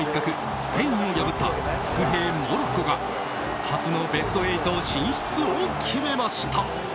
スペインを破った伏兵モロッコが初のベスト８進出を決めました。